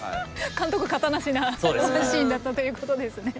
監督形なしなそんなシーンだったということですね。